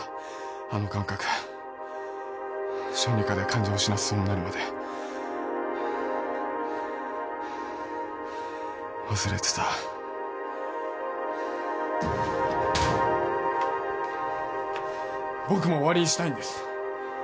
あの感覚小児科で患者を死なせそうになるまで忘れてた僕も終わりにしたいんです